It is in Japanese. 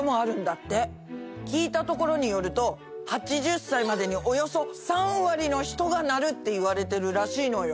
聞いたところによると８０歳までにおよそ３割の人がなるっていわれてるらしいのよ。